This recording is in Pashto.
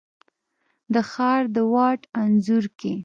د ښار د واټ انځور کي،